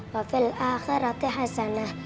wafil akhirati hasanah